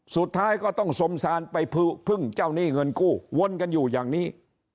สุดท้ายก็ต้องสมสารไปพึ่งเจ้าหนี้เงินกู้วนกันอยู่อย่างนี้